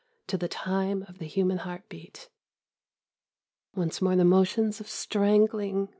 to the time of the human heartbeat. Once more the motions of strangling